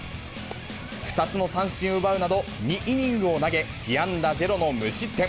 ２つの三振を奪うなど、２イニングを投げ、被安打ゼロの無失点。